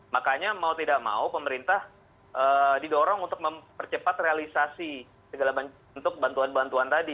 makanya mau tidak mau pemerintah didorong untuk mempercepat realisasi segala bentuk bantuan bantuan tadi